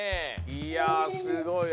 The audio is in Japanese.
いやすごい。